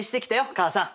母さん。